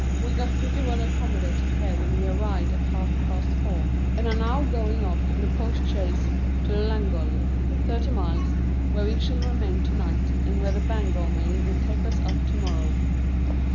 We got pretty well accommodated here when we arrived at half past four, and are now going off in a postchaise to Llangollen thirty miles where we shall remain to night, and where the Bangor mail will take us up to morrow.